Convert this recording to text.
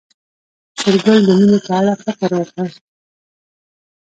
شېرګل د مينې په اړه فکر وکړ.